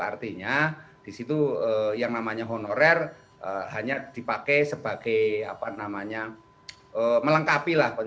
artinya di situ yang namanya honorer hanya dipakai sebagai apa namanya melengkapi lah